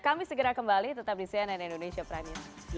kami segera kembali tetap di cnn indonesia prime news